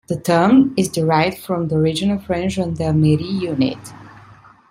The term is derived from the original French Gendarmerie unit.